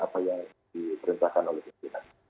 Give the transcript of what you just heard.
apa yang diperintahkan oleh bapak kapolri